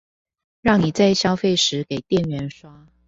讓你在消費時給店員刷